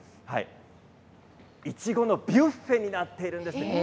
いちごのビュッフェになっております。